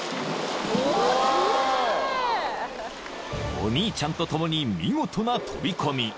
［お兄ちゃんと共に見事な飛び込み］